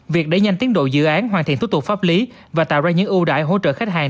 việc đẩy nhanh tiến độ dự án hoàn thiện thủ tục pháp lý và tạo ra những ưu đại hỗ trợ khách hàng